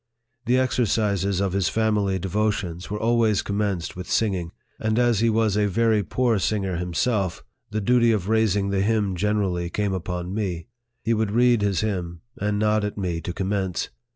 The exercises of his family devotions were always commenced with singing ; and, as he was a very poor singer himself, the duty of raising the hymn generally came upon me. He would read his hymn, and nod at me to commence.